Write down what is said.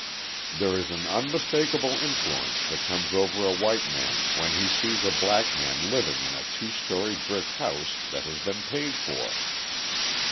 "There is an unmistakable influence that comes over a white man when he sees a black man living in a two story brick house that has been paid for."